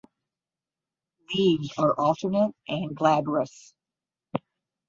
Leaves are alternate and glabrous.